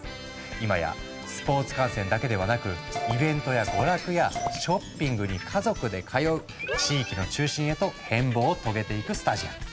今やスポーツ観戦だけではなくイベントや娯楽やショッピングに家族で通う地域の中心へと変貌を遂げていくスタジアム。